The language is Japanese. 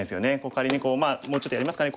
仮にこうもうちょっとやりますかね。